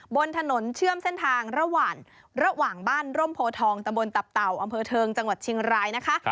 บนถนนเชื่อมเส้นทางระหว่างระหว่างบ้านร่มโพทองตะบนตับเต่าอำเภอเทิงจังหวัดเชียงรายนะคะ